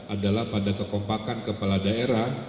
adalah pada kekompakan kepala daerah